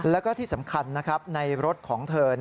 แล้วก็ที่สำคัญนะครับในรถของเธอ